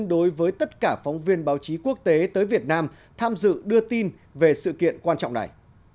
đối với tất cả phóng viên báo chí quốc tế tới việt nam tham dự đưa tin về sự kiện quan trọng này